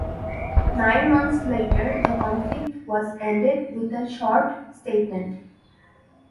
Nine months later the conflict was ended with a short statement.